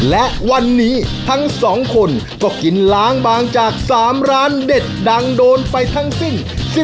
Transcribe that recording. และวันนี้ทั้ง๒คนก็กินล้างบางจาก๓ร้านเด็ดดังโดนไปทั้งสิ้น